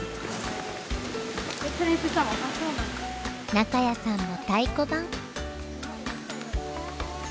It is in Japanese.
中谷さんも太鼓判。